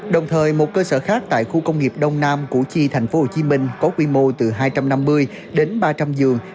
đồng thời một cơ sở khác tại khu công nghiệp đông nam củ chi tp hcm có quy mô từ hai trăm năm mươi đến ba trăm linh giường